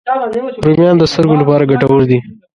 رومیان د سترګو لپاره ګټور دي